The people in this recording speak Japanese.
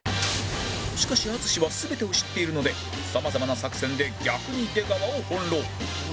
しかし淳は全てを知っているのでさまざまな作戦で逆に出川を翻弄